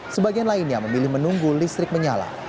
sebagian lainnya memilih menunggu listrik menyala